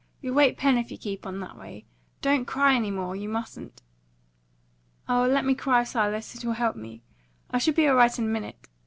"You'll wake Pen if you keep on that way. Don't cry any more! You mustn't." "Oh, let me cry, Silas! It'll help me. I shall be all right in a minute.